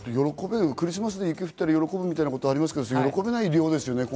クリスマスで雪降ったら喜ぶみたいなことありますけど、今回は喜べない量ですね。